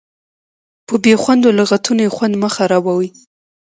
په بې خوندو لغتونو یې خوند مه خرابوئ.